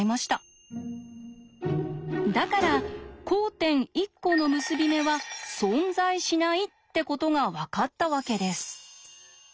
だから交点１コの結び目は存在しないってことが分かったわけです。